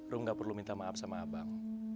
ru gak perlu minta maaf sama abang